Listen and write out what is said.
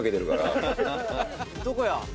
「どこや？